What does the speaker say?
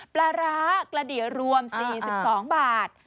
ปลาร้ากระดิรวม๔๒บาท